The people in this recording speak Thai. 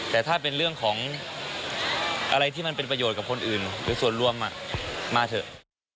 แต่ถ้าเป็นเรื่องของอะไรที่มันเป็นประโยชน์กับคนอื่นหรือส่วนรวมมาเถอะ